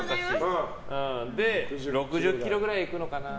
で、６０キロくらいいくのかな。